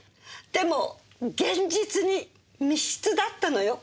でも現実に密室だったのよ！